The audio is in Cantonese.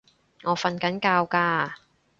我訓緊覺㗎